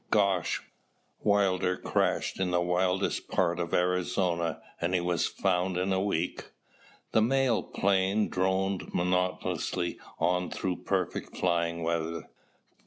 Gosh, Wilder cracked in the wildest part of Arizona and he was found in a week." The mail plane droned monotonously on through perfect flying weather.